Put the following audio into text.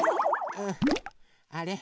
あれ？